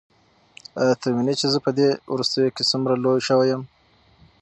ایا ته وینې چې زه په دې وروستیو کې څومره لوی شوی یم؟